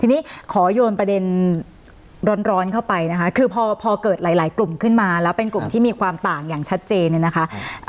ทีนี้ขอโยนประเด็นร้อนเข้าไปนะคะคือพอเกิดหลายกลุ่มขึ้นมาแล้วเป็นกลุ่มที่มีความต่างอย่างชัดเจนเนี่ยนะคะ